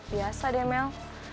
biasa deh mel